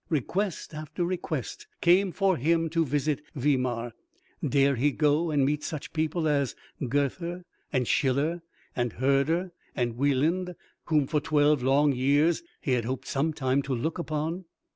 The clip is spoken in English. Request after request came for him to visit Weimar. Dare he go and meet such people as Goethe, and Schiller, and Herder, and Weiland, whom for twelve long years he had hoped sometime to look upon?